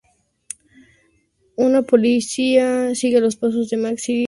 Un policía sigue los pasos de Max y le vigila.